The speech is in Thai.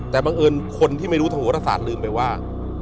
แต่บังเอิญคนที่ไม่รู้โทษภาษาลืมไปว่า